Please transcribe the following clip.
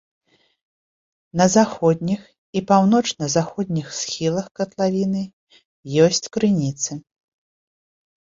На заходніх і паўночна-заходніх схілах катлавіны ёсць крыніцы.